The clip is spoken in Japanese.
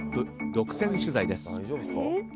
独占取材です。